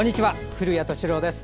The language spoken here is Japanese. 古谷敏郎です。